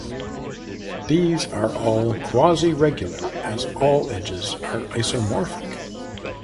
These are all "quasi-regular" as all edges are isomorphic.